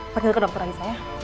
pakil ke dokter lagi saya